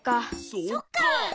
そっか。